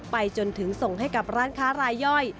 ไปจนถึงส่งให้กับร้านค้ารายย่อย